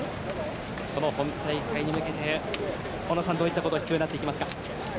その本大会に向けて小野さん、どういったことが必要になってきますか。